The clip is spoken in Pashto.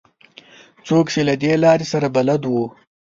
څوک چې له دې لارې سره بلد وو.